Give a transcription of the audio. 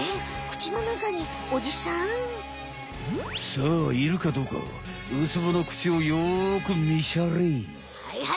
さあいるかどうかウツボの口をよくみしゃれい。